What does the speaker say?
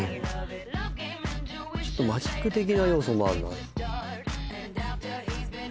ちょっとマジック的な要素も。